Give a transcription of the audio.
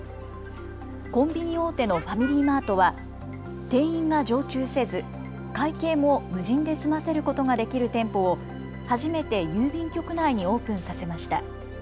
コンビニ大手のファミリーマートは店員が常駐せず、会計も無人で済ませることができる店舗を初めて郵便局内にオープンさせました。